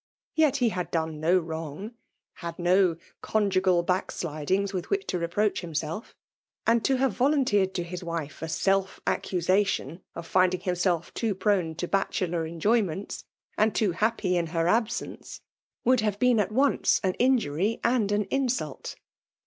Yet he had done no wttmg ; .had no conjugal, backsjidings with which ta re^ pjToach himself; and to Iwve yohinleetedi ta. Us wife a self^accusation of finding idmself tnoc^ prone to bacheIov*en)oynients, and too hiappf in her absence^ would have been at once nxi. injury and an insult.